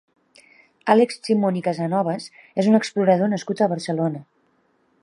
Àlex Simón i Casanovas és un explorador nascut a Barcelona.